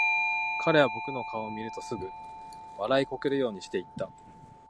彼は僕の顔を見るとすぐ、笑いこけるようにして言った。